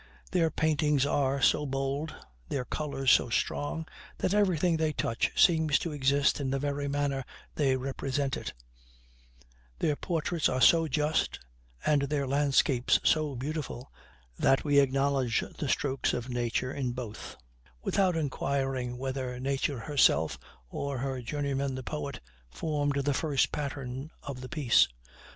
Their paintings are so bold, their colors so strong, that everything they touch seems to exist in the very manner they represent it; their portraits are so just, and their landscapes so beautiful, that we acknowledge the strokes of nature in both, without inquiring whether Nature herself, or her journeyman the poet, formed the first pattern of the piece.